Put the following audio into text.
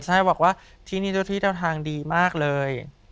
ใช่บอกว่าที่นี่เจ้าที่เจ้าทางดีมากเลย